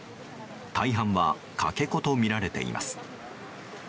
大半はかけ子とみられています。